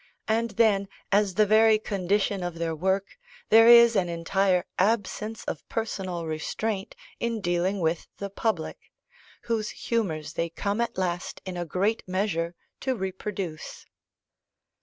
And then, as the very condition of their work, there is an entire absence of personal restraint in dealing with the public, whose humours they come at last in a great measure to reproduce.